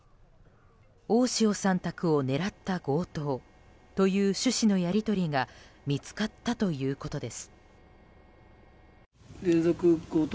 大塩さん宅を狙った強盗という趣旨のやり取りが見つかったということです。